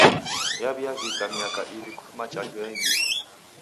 Yaw'iavika miaka iw'i kufuma chanjo ya imbiri.